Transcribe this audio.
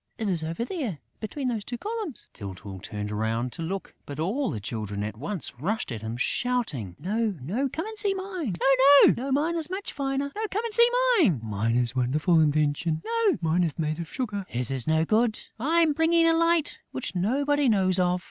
It is over there, between those two columns...." Tyltyl turned round to look; but all the Children at once rushed at him, shouting: "No, no, come and see mine!..." "No, mine is much finer!..." "Mine is a wonderful invention!..." "Mine is made of sugar!..." "His is no good!..." "I'm bringing a light which nobody knows of!..."